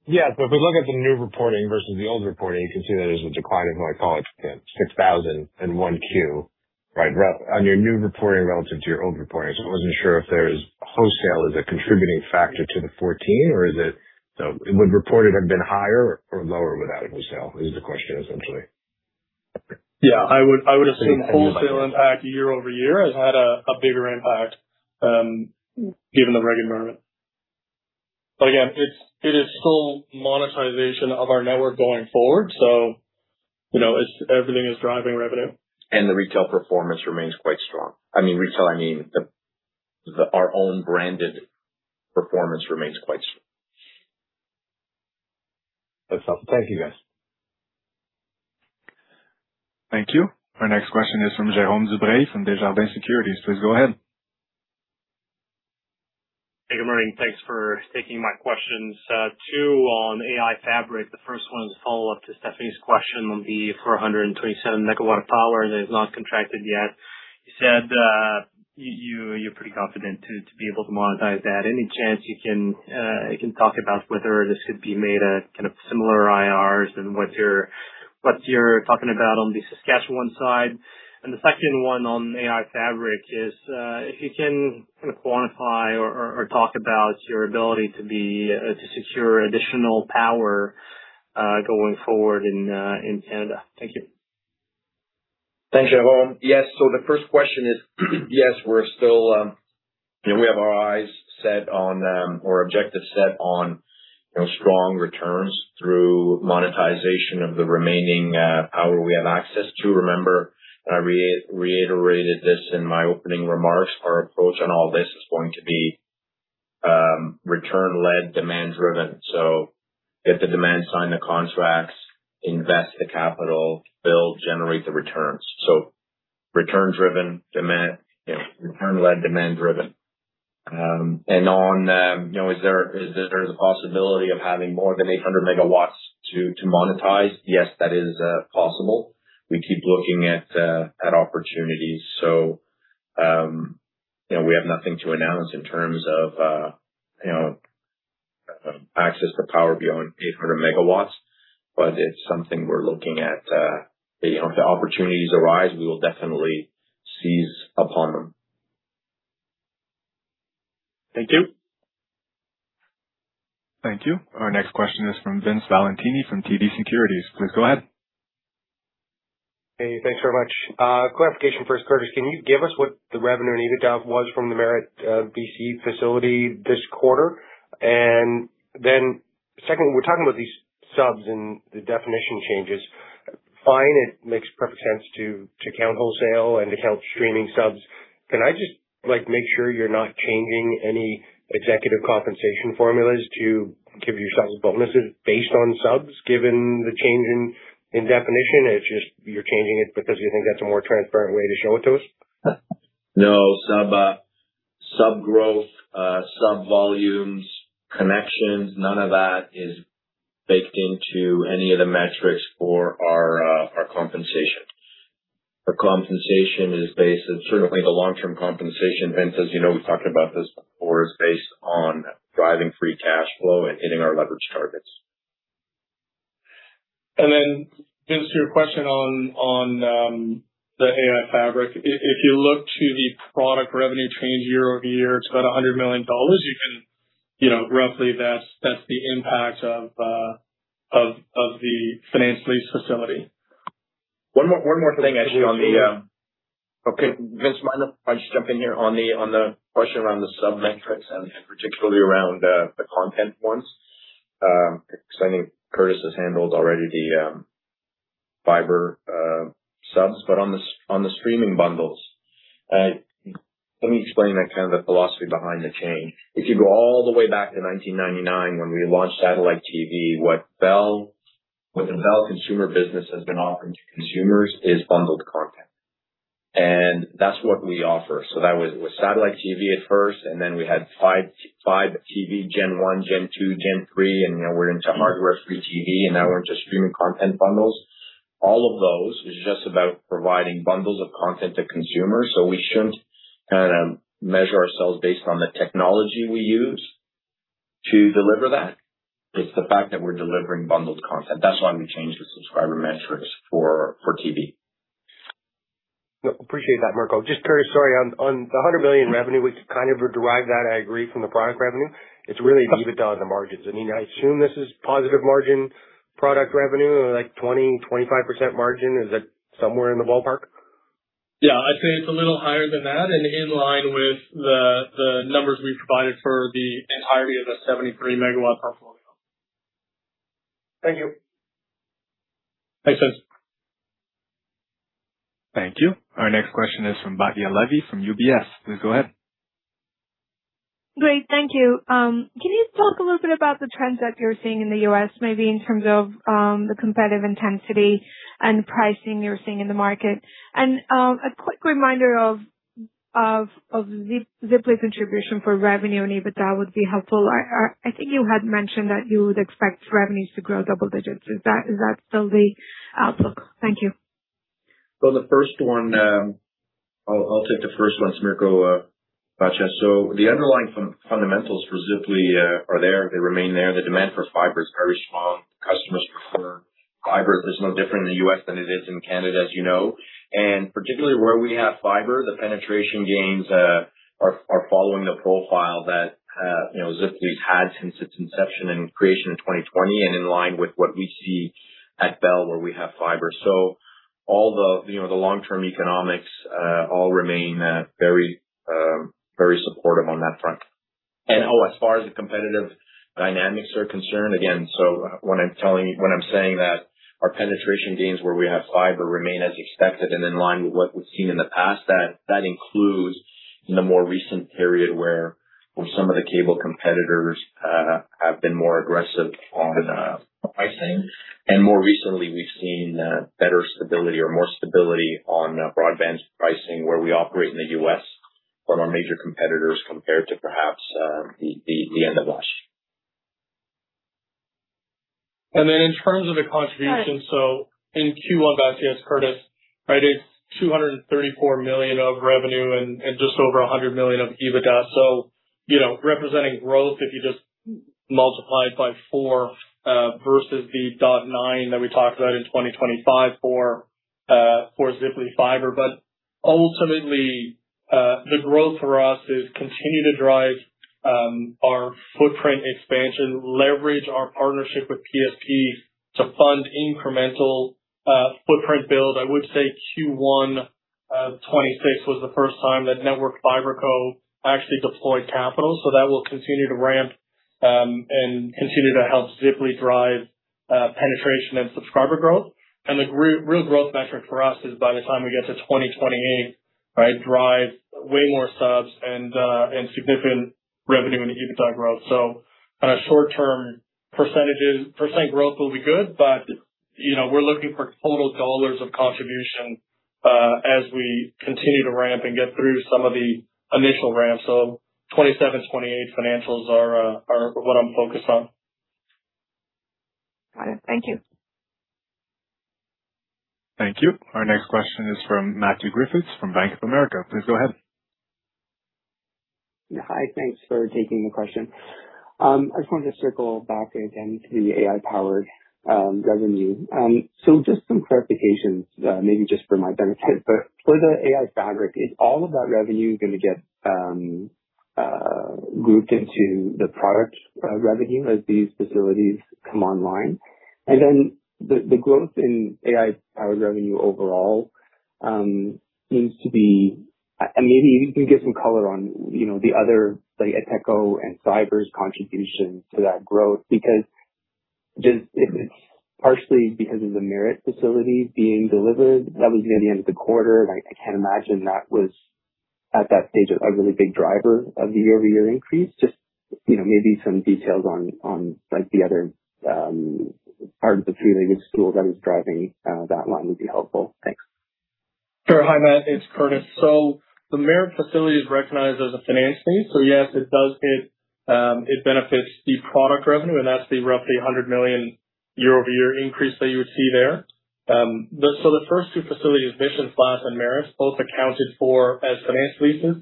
Yeah. If we look at the new reporting versus the old reporting, you can see that there's a decline in, like, oh, it's, you know, 6,000 in 1 Q. Right. On your new reporting relative to your old reporting. I wasn't sure if there's Wholesale is a contributing factor to the 14 or is it? Would report it have been higher or lower without wholesale? Is the question essentially. Yeah. I would assume wholesale impact year-over-year has had a bigger impact, given the reg environment. Again, it is full monetization of our network going forward. You know, everything is driving revenue. The retail performance remains quite strong. I mean, retail, I mean the, our own branded performance remains quite strong. That's helpful. Thank you, guys. Thank you. Our next question is from Jérôme Dubreuil from Desjardins Securities. Please go ahead. Hey, good morning. Thanks for taking my questions. Two on Bell AI Fabric. The 1st one is a follow-up to Stephanie's question on the 427 MW of power that is not contracted yet. You said, you're pretty confident to be able to monetize that. Any chance you can talk about whether this could be made at kind of similar IRRs and what you're talking about on the Saskatchewan side? The second one on Bell AI Fabric is, if you can kind of quantify or talk about your ability to be to secure additional power going forward in Canada. Thank you. Thanks, Jérôme. Yes. The first question is, yes, we're still, you know, we have our eyes set on, or objective set on, you know, strong returns through monetization of the remaining power we have access to. Remember, and I reiterated this in my opening remarks, our approach on all this is going to be return led, demand driven. Get the demand, sign the contracts, invest the capital, build, generate the returns. Return driven demand, you know, return led, demand driven. On, you know, is there the possibility of having more than 800 MW to monetize? Yes, that is possible. We keep looking at opportunities. You know, we have nothing to announce in terms of, you know, access to power beyond 800 MW, but it's something we're looking at. You know, if the opportunities arise, we will definitely seize upon them. Thank you. Thank you. Our next question is from Vince Valentini from TD Securities. Please go ahead. Hey, thanks very much. Clarification first. Curtis, can you give us what the revenue e was from the Merritt, BC facility this quarter? Second, we're talking about these subs and the definition changes. Fine, it makes perfect sense to count wholesale and to count streaming subs. Can I just, like, make sure you're not changing any executive compensation formulas to give yourselves bonuses based on subs, given the change in definition? It's just you're changing it because you think that's a more transparent way to show it to us? No. Sub growth, sub volumes, connections, none of that is baked into any of the metrics for our compensation. Our compensation is based. Certainly, the long-term compensation, Vince, as you know, we've talked about this before, is based on driving free cash flow and hitting our leverage targets. Then, Vince, to your question on Bell AI Fabric. If you look to the product revenue change year-over-year, it's about 100 million dollars. You can, you know, roughly that's the impact of the finance lease facility. One more thing actually on the. Okay, Vince, mind if I just jump in here on the, on the question around the sub metrics and particularly around the content ones? Because I think Curtis has handled already the fiber subs. On the streaming bundles, let me explain that, kind of, the philosophy behind the change. If you go all the way back to 1999 when we launched satellite TV, what the Bell consumer business has been offering to consumers is bundled content. That's what we offer. That was with satellite TV at first, and then we had Fibe TV gen 1, gen 2, gen 3, and, you know, we're into hardware-free TV, and now we're into streaming content bundles. All of those is just about providing bundles of content to consumers. We shouldn't kinda measure ourselves based on the technology we use to deliver that. It's the fact that we're delivering bundled content. That's why we changed the subscriber metrics for TV. No, appreciate that, Mirko. Just Curtis, sorry. On the 100 million revenue, we kind of derived that, I agree, from the product revenue. It's really EBITDA, the margins. I mean, I assume this is positive margin product revenue or, like, 20%-25% margin. Is that somewhere in the ballpark? Yeah, I'd say it's a little higher than that and in line with the numbers we provided for the entirety of the 73 MW portfolio. Thank you. Thanks, Vince. Thank you. Our next question is from Batya Levi from UBS. Please go ahead. Great. Thank you. Can you talk a little bit about the trends that you're seeing in the U.S., maybe in terms of the competitive intensity and pricing you're seeing in the market? A quick reminder of Ziply's contribution for revenue and EBITDA would be helpful. I think you had mentioned that you would expect revenues to grow double digits. Is that still the outlook? Thank you. The first one, I'll take the first one, Mirko, Batya Levi. The underlying fundamentals for Ziply are there. They remain there. The demand for fiber is very strong. Customers prefer fiber. It's no different in the U.S. than it is in Canada, as you know. Particularly where we have fiber, the penetration gains are following the profile that, you know, Ziply's had since its inception and creation in 2020 and in line with what we see at Bell where we have fiber. All the, you know, the long-term economics, all remain very, very supportive on that front. As far as the competitive dynamics are concerned, again, when I'm saying that our penetration gains where we have fiber remain as expected and in line with what we've seen in the past, that includes in the more recent period where some of the cable competitors have been more aggressive on pricing. More recently, we've seen better stability or more stability on broadband pricing where we operate in the U.S. from our major competitors compared to perhaps the end of last year. And then in terms of the contribution- Got it. In Q1, Batya, it's Curtis, right? It's 234 million of revenue and just over 100 million of EBITDA. You know, representing growth, if you just multiply it by 4, versus the 0.9 that we talked about in 2025 for Ziply Fiber. Ultimately, the growth for us is continue to drive our footprint expansion, leverage our partnership with PSP to fund incremental footprint build. I would say Q1 of 2026 was the first time that Network FiberCo actually deployed capital. That will continue to ramp and continue to help Ziply drive penetration and subscriber growth. The real growth metric for us is by the time we get to 2028, right, drive way more subs and significant revenue and EBITDA growth. On a short-term, percent growth will be good, but, you know, we're looking for total CAD of contribution, as we continue to ramp and get through some of the initial ramps. 2027, 2028 financials are what I'm focused on. Got it. Thank you. Thank you. Our next question is from Matthew Griffiths from Bank of America. Please go ahead. Hi, thanks for taking the question. I just wanted to circle back again to the AI-powered revenue. Just some clarifications, maybe just for my benefit. For the AI Fabric, is all of that revenue gonna get grouped into the product revenue as these facilities come online? The growth in AI-powered revenue overall seems to be, and maybe you can give some color on, you know, the other, like Ateco and fiber's contribution to that growth, because just it's partially because of the Merritt facility being delivered. That was near the end of the quarter, and I can't imagine that was at that stage a really big driver of the year-over-year increase. Just, you know, maybe some details on, like, the other part of the three-legged stool that is driving that line would be helpful. Thanks. Sure. Hi, Matt. It's Curtis. The Merritt facility is recognized as a finance lease. Yes, it does get, it benefits the product revenue, and that's the roughly 100 million year-over-year increase that you would see there. The first two facilities, Mission Flats and Merritt, both accounted for as finance leases.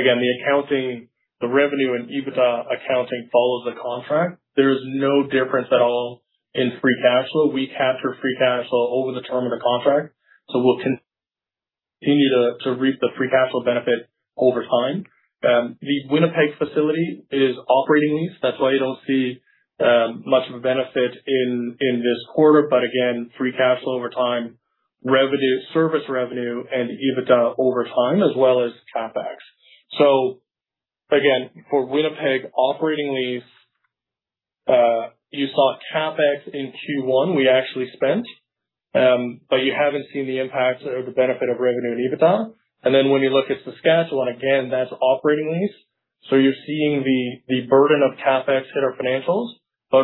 Again, the accounting, the revenue and EBITDA accounting follows the contract. There is no difference at all in free cash flow. We capture free cash flow over the term of the contract, we'll continue to reap the free cash flow benefit over time. The Winnipeg facility is operating lease. That's why you don't see much of a benefit in this quarter. Again, free cash flow over time, revenue, service revenue and EBITDA over time as well as CapEx. Again, for Winnipeg operating lease, you saw CapEx in Q1 we actually spent, but you haven't seen the impact or the benefit of revenue and EBITDA. When you look at Saskatchewan, again, that's operating lease. You're seeing the burden of CapEx hit our financials.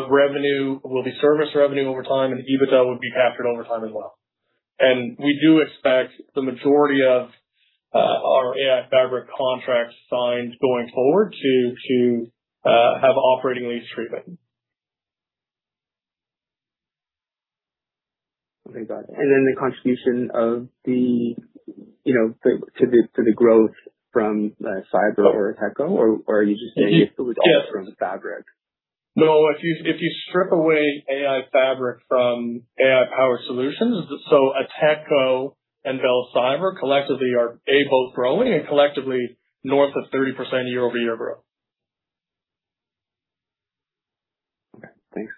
Revenue will be service revenue over time, and EBITDA will be captured over time as well. We do expect the majority of our Bell AI Fabric contracts signed going forward to have operating lease treatment. Okay, got it. Then the contribution of the, you know, to the growth from fiber or Ateco or are you just saying it was all from Fabric? No. If you strip away AI Fabric from AI power solutions. Ateco and Bell Cyber collectively are both growing and collectively north of 30% year-over-year growth. Okay, thanks.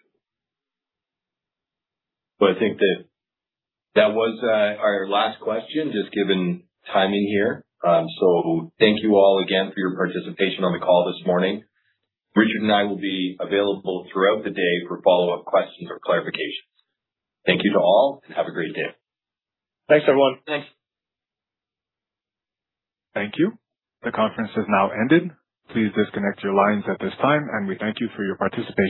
Well, I think that that was our last question, just given timing here. Thank you all again for your participation on the call this morning. Richard and I will be available throughout the day for follow-up questions or clarifications. Thank you to all and have a great day. Thanks, everyone. Thanks. Thank you. The conference has now ended. Please disconnect your lines at this time, and we thank you for your participation.